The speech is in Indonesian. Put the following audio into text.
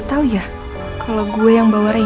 yaudah kalau gitu aku pamit ya